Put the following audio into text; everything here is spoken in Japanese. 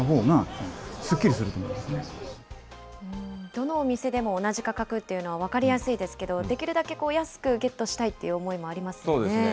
どのお店でも同じ価格っていうのは分かりやすいですけど、できるだけ安くゲットしたいという思いもありますよね。